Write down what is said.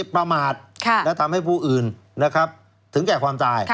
ประมาทและทำให้ผู้อื่นถึงแก่ความตาย